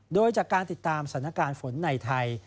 โดยจากการติดตามสถานการณ์ฝนในไทย